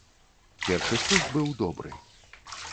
Першы спуск быў добры.